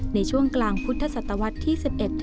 ในช่วงกลางพุทธศาสตราวรรค์ที่๑๑๑๓